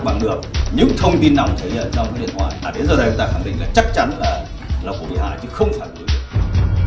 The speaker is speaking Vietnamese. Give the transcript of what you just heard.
và đến giờ đây chúng ta khẳng định là chắc chắn là là của vị hạ chứ không phản ứng được